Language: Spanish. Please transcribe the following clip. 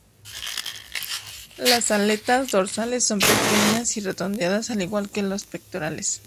Las aletas dorsales son pequeñas y redondeadas, al igual que las pectorales.